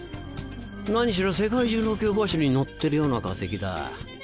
何しろ世界中の教科書に載ってるような化石だ。